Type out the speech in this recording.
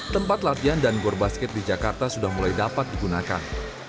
tempat latihan dan gor basket di jakarta sudah mulai dapat digunakan